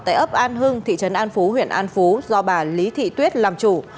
tại ấp an hưng thị trấn an phú huyện an phú do bà lý thị tuyết làm chủ